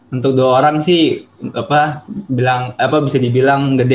untuk dua orang sih apa bilang apa bisa dibilang gede